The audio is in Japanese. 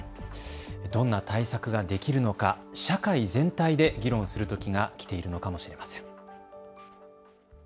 どんな対策ができるのか、社会全体で議論するときが来ているのかもしれません。